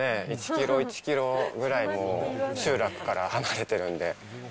１キロ、１キロぐらい、もう集落から離れてるんで。